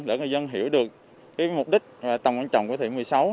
để người dân hiểu được mục đích tầm quan trọng của thị một mươi sáu